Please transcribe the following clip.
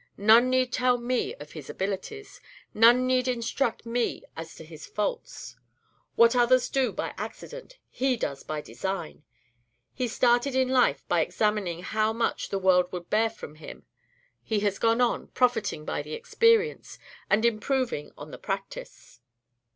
None need tell me of his abilities; none need instruct me as to his faults. What others do by accident, he does by design. He started in life by examining how much the world would bear from him; he has gone on, profiting by the experience, and improving on the practice."